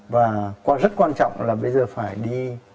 và rất quan trọng là bây giờ phải đi